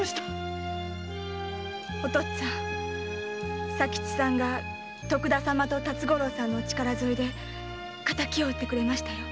お父っつぁん佐吉っつぁんが徳田様と辰五郎様のお力添えで仇を討ってくれましたよ。